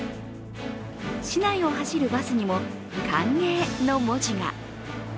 市内を走るバスにも「歓迎」の文字が。